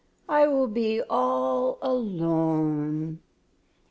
I will be all alone."